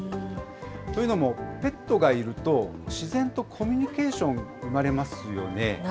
というのも、ペットがいると自然とコミュニケーション、生まれますよね。